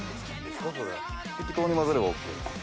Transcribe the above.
適当に混ぜればＯＫ。